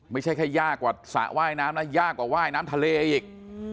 ไม่ใช่แค่ยากกว่าสระว่ายน้ำนะยากกว่าว่ายน้ำทะเลอีก